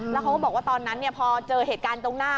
แล้วเขาก็บอกว่าตอนนั้นพอเจอเหตุการณ์ตรงหน้า